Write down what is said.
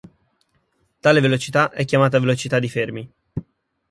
Tale velocità è chiamata velocità di Fermi.